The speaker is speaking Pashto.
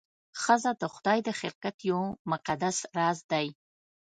ښځه د خدای د خلقت یو مقدس راز دی.